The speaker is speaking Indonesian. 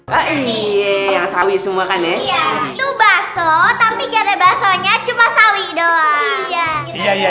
hai hai hai hai hai hai hai yang sawi semua kan ya itu baso tapi gak ada basonya cuma sawi doang